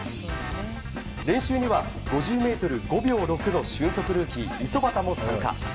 練習には５０ｍ５秒６の俊足ルーキー五十幡も参加。